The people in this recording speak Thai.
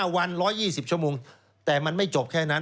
๕วัน๑๒๐ชมแต่มันไม่จบแค่นั้น